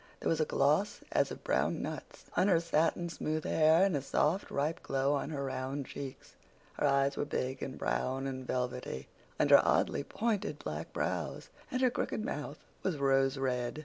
There was a gloss as of brown nuts on her satin smooth hair and a soft, ripe glow on her round cheeks. Her eyes were big and brown and velvety, under oddly pointed black brows, and her crooked mouth was rose red.